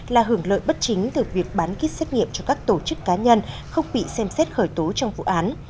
là hưởng lợi bất chính từ việc bán kit xét nghiệm cho các tổ chức cá nhân không bị xem xét khởi tố trong vụ án